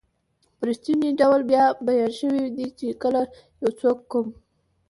په رښتني ډول بیان شوي دي چې کله یو څوک کوم